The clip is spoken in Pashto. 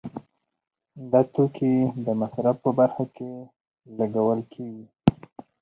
دا توکي د مصرف په برخه کې لګول کیږي.